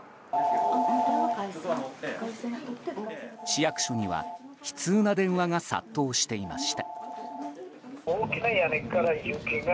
市役所には悲痛な電話が殺到していました。